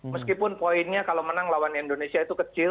meskipun poinnya kalau menang lawan indonesia itu kecil